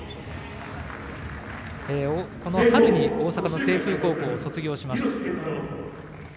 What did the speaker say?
この春に大阪の清風高校を卒業しました。